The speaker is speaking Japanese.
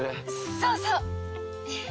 そうそう！